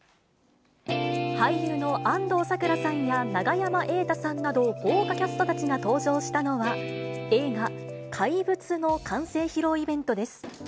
俳優の安藤サクラさんや永山瑛太さんなど、豪華キャストたちが登場したのは、映画、怪物の完成披露イベントです。